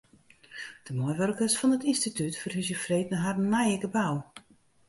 De meiwurkers fan it ynstitút ferhúzje freed nei harren nije gebou.